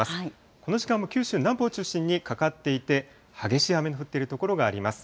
この時間も九州南部を中心にかかっていて、激しい雨の降っている所があります。